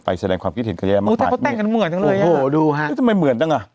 ไปแสดงความคิดเห็นกายแย่เลยโอ้โหดูฮะเพราะยังไงเหมือนจังอ่ะ